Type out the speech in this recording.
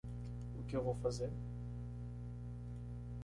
O que eu vou fazer?